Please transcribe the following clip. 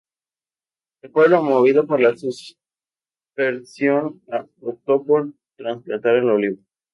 El pueblo movido por la superstición optó por trasplantar el olivo.